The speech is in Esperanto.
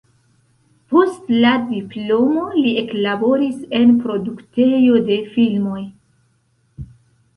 Post la diplomo li eklaboris en produktejo de filmoj.